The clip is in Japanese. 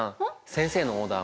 先生のオーダー